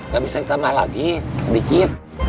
gak bisa ditambah lagi sedikit